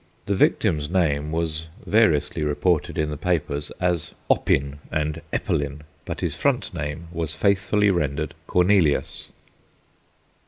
The victim's name was variously reported in the papers as Oppin and Eppelin, but his front name was faithfully rendered Cornelius.